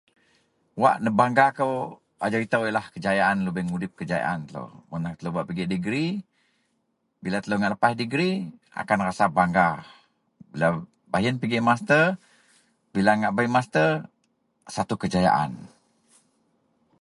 Wak nebaga kou ajau itoulah kejayaan lubeang udip kejayaan telou. Mun telou bak pigek degeri, bila telou ngak lepaih degeri akan rasa bangga. Baih yen pigek masta, bila ngak bei masta satu kejayaan